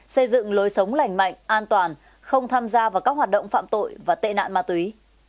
xây dựng lối sống lành mạnh an toàn không tham gia vào các hoạt động phạm tội và tệ nạn ma túy